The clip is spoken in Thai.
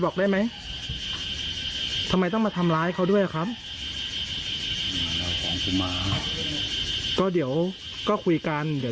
กูสามารถลากูให้จนวันที่๒๐